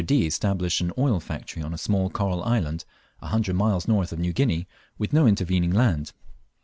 D. established an oil factory on a small coral island, a hundred miles north of New Guinea, with no intervening land.